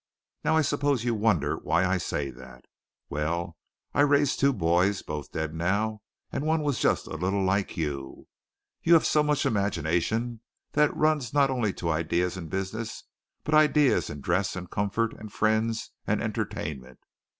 "Now I suppose you wonder why I say that. Well, I raised two boys, both dead now, and one was just a little like you. You have so much imagination that it runs not only to ideas in business, but ideas in dress and comfort and friends and entertainment.